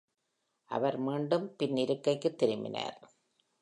அவர் மீண்டும் பின் இருக்கைக்கு திரும்பினார்.